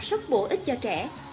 rất bổ ích cho trẻ